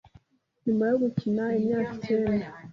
nyuma yo gukina imyaka icyenda